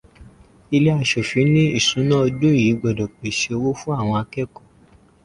Ilé aṣofín ní ìṣúnà ọdún yìí gbọ́dọ̀ pèsè owó fún àwọn akẹ́kọ̀ọ́.